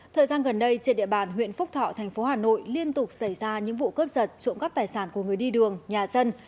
thời gian gần đây trên địa bàn huyện phúc thọ thành phố hà nội liên tục xảy ra những vụ cướp giật trộm cắp tài sản của người đi đường nhà dân